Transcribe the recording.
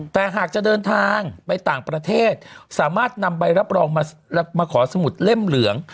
แต่หากจะเดินทางไปต่างประเทศสามารถนำใบรับรองมาขอสมุดเล่มเหลือง